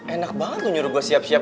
enak banget tuh nyuruh gue siap siap